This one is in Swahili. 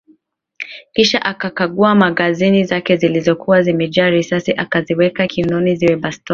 Kisha akakagua magazine zake zilikuwa zimejaa risasi akaziweka kiunoni zile bastola